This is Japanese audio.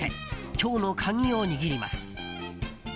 今日の鍵を握ります。